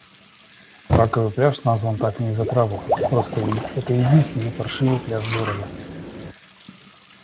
Раковый пляж назван так не из-за крабов. Просто это единственный паршивый пляж города.